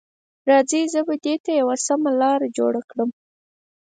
راځئ، زه به دې ته یوه سمه لاره جوړه کړم.